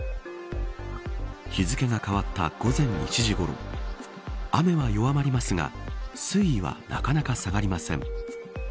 日付が変わった午前１時ごろ雨は弱まりますが水位はなかなか下がりません。